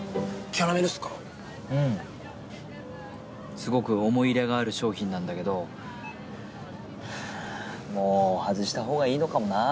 すごく思い入れがある商品なんだけどもう外したほうがいいのかもなあ。